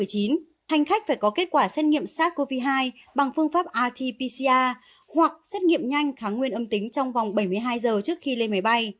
hành khách phải có kết quả xét nghiệm sars cov hai bằng phương pháp rt pcr hoặc xét nghiệm nhanh kháng nguyên âm tính trong vòng bảy mươi hai giờ trước khi lên máy bay